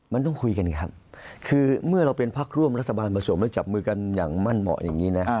มันต้องคุยกันครับคือเมื่อเราเป็นพักร่วมรัฐบาลผสมแล้วจับมือกันอย่างมั่นเหมาะอย่างนี้นะ